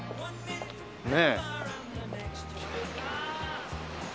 ねえ。